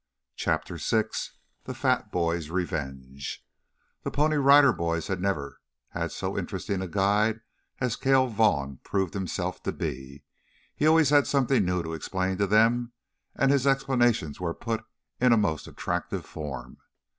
CHAPTER VI THE FAT BOY'S REVENGE The Pony Rider Boys had never had so interesting a guide as Cale Vaughn proved himself to be. He always had something new to explain to them, and his explanations were put in a most attractive form.